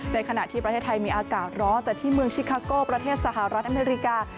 ขณะที่ประเทศไทยมีอากาศร้อนแต่ที่เมืองชิคาโก้ประเทศสหรัฐอเมริกา